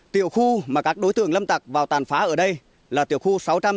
tiểu khu mà các đối tượng lâm tạc vào tàn phá ở đây là tiểu khu sáu trăm chín mươi hai